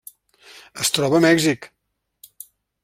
Es troba a Mèxic.